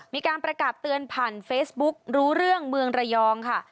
มีการประกาศเตือนผ่านเฟซบุ๊ครู้เรื่องเมืองระยองค่ะ